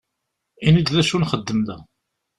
Ini-d d acu nxeddem da!